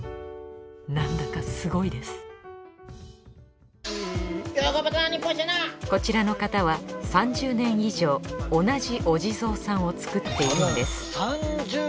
なんだかすごいですこちらの方は３０年以上同じお地蔵さんを作っているんです。